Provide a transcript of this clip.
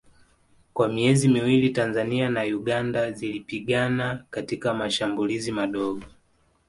Kwa miezi miwili Tanzania na Uganda zilipigana katika mashambulizi madogo